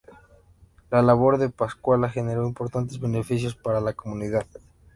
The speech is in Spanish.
La labor de Pascuala generó importantes beneficios para la comunidad.